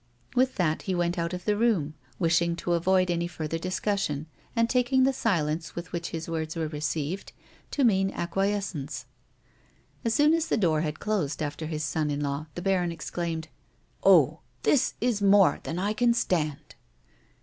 With that he went out of the room, wishing to avoid any further discussion, and taking the silence with which his words were received to mean acquiescence. As soon as the door had closed after his son in law, the baron exclaimed :" Oh, this is more than I can stand